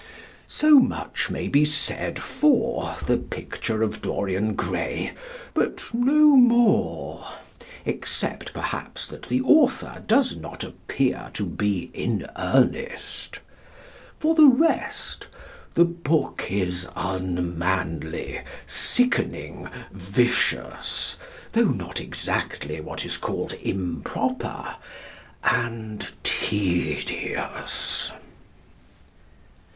So much may be said for "The Picture of Dorian Gray," but no more, except, perhaps, that the author does not appear to be in earnest. For the rest, the book is unmanly, sickening, vicious (though not exactly what is called "improper"), and tedious.